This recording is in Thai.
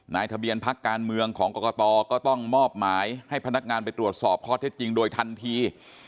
ทะเบียนพักการเมืองของกรกตก็ต้องมอบหมายให้พนักงานไปตรวจสอบข้อเท็จจริงโดยทันที